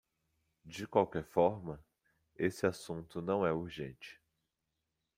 De qualquer forma, esse assunto não é urgente.